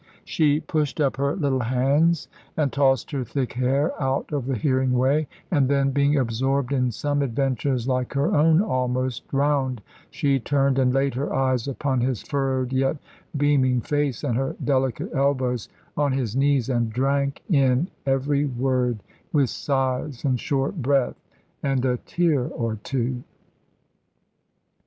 She pushed up her little hands and tossed her thick hair out of the hearing way, and then, being absorbed in some adventures like her own almost, round she turned and laid her eyes upon his furrowed yet beaming face, and her delicate elbows on his knees, and drank in every word, with sighs, and short breath, and a tear or two.